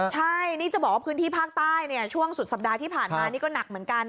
ใช่นี่จะบอกว่าพื้นที่ภาคใต้ช่วงสุดสัปดาห์ที่ผ่านมานี่ก็หนักเหมือนกัน